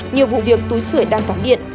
nhiều vụ việc túi sửa đang tắm điện